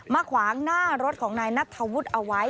ขวางหน้ารถของนายนัทธวุฒิเอาไว้